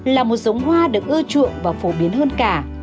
là một giống hoa được ưa chuộng và phổ biến hơn cả